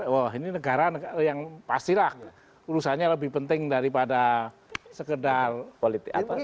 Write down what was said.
wah ini negara negara yang pastilah urusannya lebih penting daripada sekedar politik atas